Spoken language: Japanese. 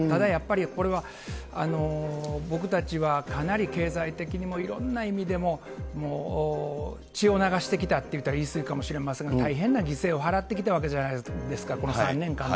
ただやっぱりこれは僕たちはかなり経済的にもいろんな意味でも、もう血を流してきたって言ったら言い過ぎかもしれませんが、大変な犠牲を払ってきたわけじゃないですか。